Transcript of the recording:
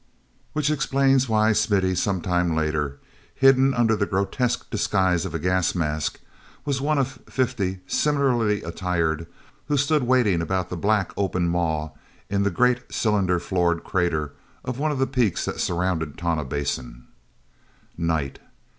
Which explains why Smithy, some time later, hidden under the grotesque disguise of a gas mask, was one of fifty, similarly attired, who stood waiting about the black open maw in the great cinder floored crater of one of the peaks that surrounded Tonah Basin. Night.